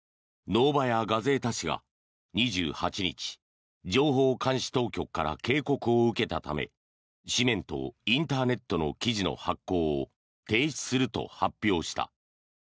ノーバヤ・ガゼータ紙が２８日情報監視当局から警告を受けたため紙面とインターネットの記事の発行を停止すると発表した。